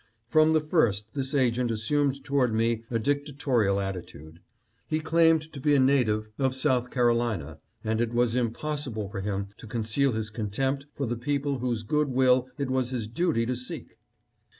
From the first this agent as sumed toward me a dictatorial attitude. He claimed to be a native of South Carolina, and it was impossible for him to conceal his contempt for the people whose good THE CLYDE CONTRACT. 747 will it was his duty to seek.